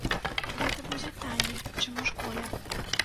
Гэта будзе танней, чым у школе.